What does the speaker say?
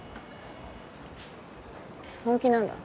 本気なんだ？